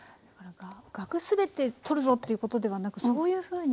がく全て取るぞっていうことではなくそういうふうに。